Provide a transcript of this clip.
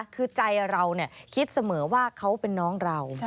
คือใจเราคิดเสมอว่าเขาเป็นน้องเรา